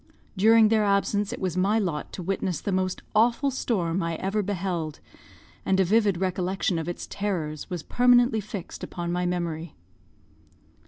During their absence it was my lot to witness the most awful storm I ever beheld, and a vivid recollection of its terrors was permanently fixed upon my memory.